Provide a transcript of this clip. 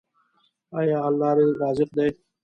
آیا الله رزاق دی؟